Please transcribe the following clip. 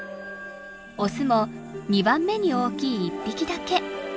オスも２番目に大きい一匹だけ。